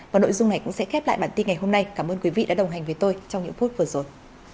và nội dung này cũng sẽ khép lại bản tin ngày hôm nay cảm ơn quý vị đã đồng hành với tôi trong những phút vừa rồi